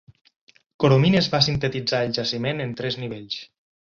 Coromines va sintetitzar el jaciment en tres nivells.